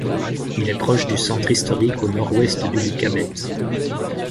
Il est proche du centre historique au nord-ouest du Lycabette.